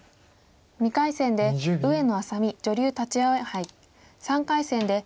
２回戦で上野愛咲美女流立葵杯３回戦で篤仁四段。